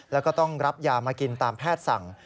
แล้วก็ต้องรับยามากินตามแพทย์สั่ง